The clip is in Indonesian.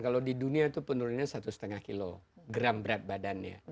kalau di dunia itu penurunannya satu lima kilo gram berat badannya